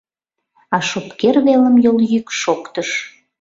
А Шопкер велым йолйӱк шоктыш.